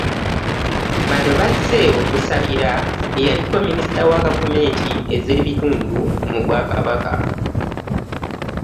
Bano bazze okusabira eyaliko Minisita wa gavumenti ez'ebitundu mu Bwakabaka